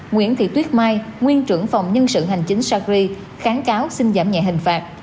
nguyễn thị tuyết mai nguyên trưởng phòng nhân sự hành chính sagri kháng cáo xin giảm nhẹ hình phạt